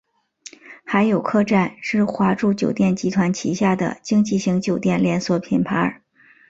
海友客栈是华住酒店集团旗下的经济型酒店连锁品牌。